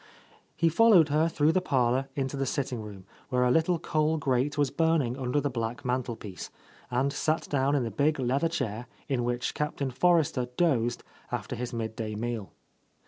He followed her through the parlour into the sitting room, where a little coal grate was burning under the black mantelpiece, and sat down in the big leather chair in which Captain Forrester dozed after his mid day meal.